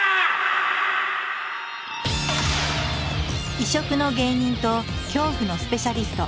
異色の芸人と恐怖のスペシャリスト。